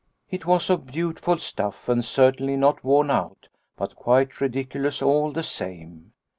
It was of beautiful stuff and cer tainly not worn out, but quite ridiculous all the same.